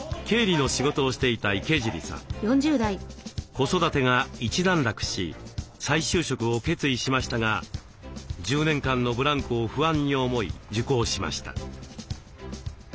子育てが一段落し再就職を決意しましたが１０年間のブランクを不安に思い受講しました。